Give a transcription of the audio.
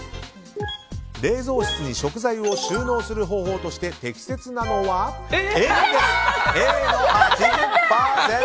冷蔵室に食材を収納する量として適切なのはＡです。